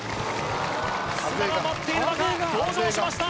砂が舞っている中登場しました